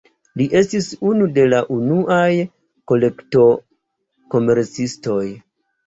Li estis unu de la unuaj kolekto-komercistoj.